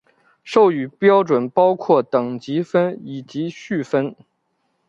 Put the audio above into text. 授予标准包括等级分以及序分。